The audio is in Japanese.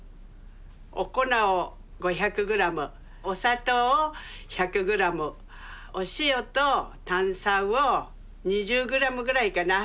お粉を５００ｇお砂糖を１００ｇお塩と炭酸を２０ｇぐらいかな。